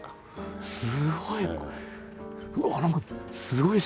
すごい！